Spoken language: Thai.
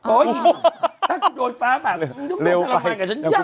โอ้ยถ้าคุณโดนฟ้าพาคุณจะมาทรมานกับฉันยัง